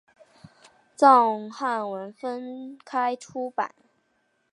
藏汉文分开出版。